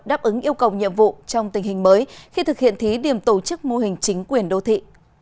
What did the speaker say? đáp ứng yêu cầu nhiệm vụ trong tình hình mới khi thực hiện thí điểm tổ chức mô hình chính quyền đô thị